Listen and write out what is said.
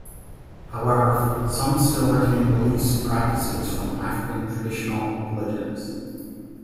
However, some still retain beliefs and practices from African traditional religions.